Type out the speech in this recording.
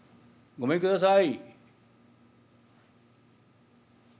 ごめんください」。